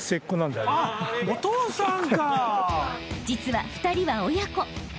［実は２人は親子］